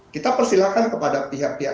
kita persilahkan kepada pihak pihak